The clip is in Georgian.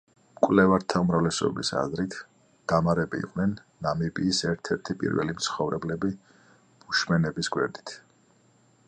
მკვლევართა უმრავლესობის აზრით დამარები იყვნენ ნამიბიის ერთ-ერთი პირველი მცხოვრებლები ბუშმენების გვერდით.